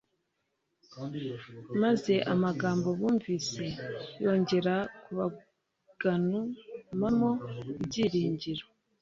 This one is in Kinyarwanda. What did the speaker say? maze amagambo bumvise yongera kubaganu-amo ibyiringiro.